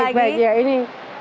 baik baik ya ini